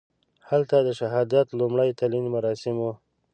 هلته د شهادت لومړي تلین مراسم وو.